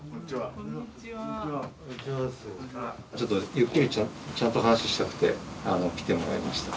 ゆっくりちゃんと話したくてあの来てもらいました。